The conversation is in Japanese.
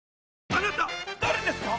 あなた誰ですか？